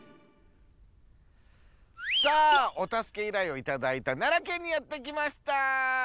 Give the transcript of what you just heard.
さあおたすけ依頼をいただいた奈良県にやって来ました。